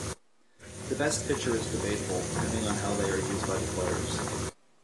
The best pitcher is debatable, depending on how they are used by the players.